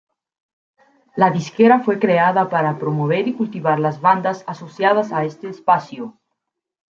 La disquera fue creada para promover y cultivar las bandas asociadas a este espacio.